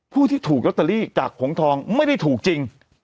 ผู้ที่ถูกลอตเตอรี่จากหงทองไม่ได้ถูกจริง